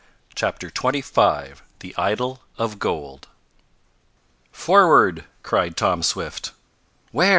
CHAPTER XXV THE IDOL OF GOLD "Forward! cried Tom Swift. "Where?"